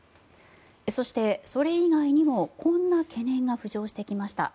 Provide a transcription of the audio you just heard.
そして、それ以外にもこんな懸念が浮上してきました。